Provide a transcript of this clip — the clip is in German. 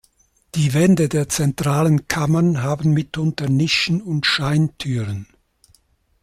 Die Wände der zentralen Kammern haben mitunter Nischen und Scheintüren.